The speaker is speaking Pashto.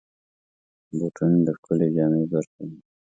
بوټونه د ښکلې جامې برخه وي.